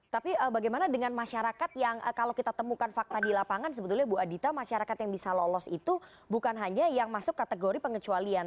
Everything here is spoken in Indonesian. tapi bagaimana dengan masyarakat yang kalau kita temukan fakta di lapangan sebetulnya bu adita masyarakat yang bisa lolos itu bukan hanya yang masuk kategori pengecualian